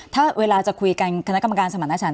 ถ้าเวลาจะคุยกันคณะกรรมการสมรรถฉัน